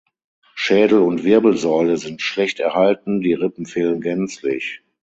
Schädel und Wirbelsäule sind schlecht erhalten, die Rippen fehlen gänzlich.